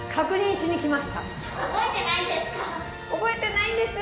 覚えてないんです。